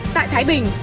tại thái bình